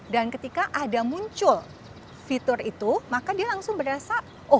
dan ketika ada muncul fitur itu maka dia langsung berasa